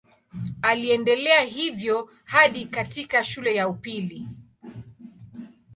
Aliendelea hivyo hadi katika shule ya upili.